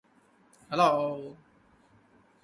She worked at the Dufferin Hospital in an honorary capacity.